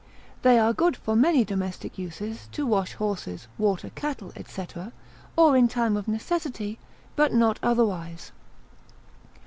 They are good for many domestic uses, to wash horses, water cattle, &c., or in time of necessity, but not otherwise.